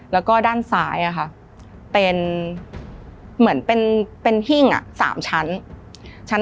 แล้วก็ด้านซ้ายเป็นเหมือนเป็นหิ้ง๓ชั้น